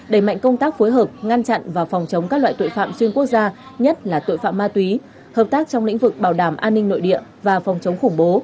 đẩy mạnh công tác phối hợp ngăn chặn và phòng chống các loại tội phạm xuyên quốc gia nhất là tội phạm ma túy hợp tác trong lĩnh vực bảo đảm an ninh nội địa và phòng chống khủng bố